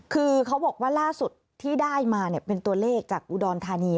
คือเขาบอกว่าล่าสุดที่ได้มาเป็นตัวเลขจากอุดรธานี